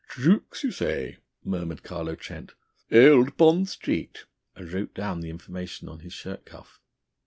"Drook's, you say?" murmured Carlo Trent. "Old Bond Street?" and wrote down the information on his shirt cuff.